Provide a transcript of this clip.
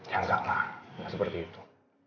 ya enggak lah gak seperti itu